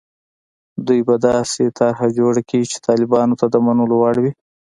دوی به داسې طرح جوړه کړي چې طالبانو ته د منلو وړ وي.